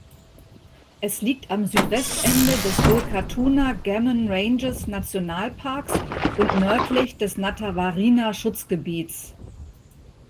Es liegt am Südwestende des Vulkathunha-Gammon-Ranges-Nationalparks und nördlich des "Nantawarrina-Schutzgebiets".